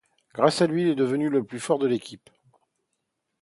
Grâce à lui il est devenu le plus fort de l'équipe.